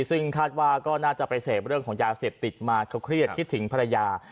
ซึ่งคาดว่าก็น่าจะไปเสพเรื่องของยาเสพติดมาเขาเครียดคิดถึงภรรยา